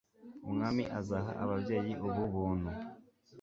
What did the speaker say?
Umwami azaha ababyeyi ubu buntu